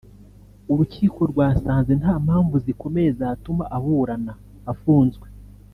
urukiko rwasanze nta mpamvu zikomeye zatuma aburana afunzwe